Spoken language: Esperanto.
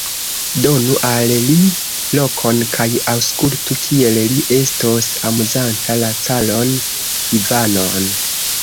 Donu al li lokon kaj aŭskultu, kiel li estos amuzanta la caron Ivanon!